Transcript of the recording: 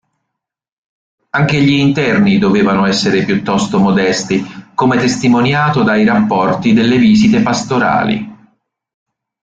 Anche gli interni dovevano essere piuttosto modesti, come testimoniato dai rapporti delle visite pastorali.